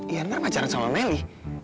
ian kan pacaran sama meli